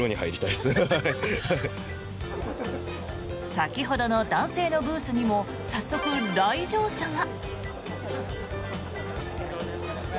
先ほどの男性のブースにも早速、来場者が。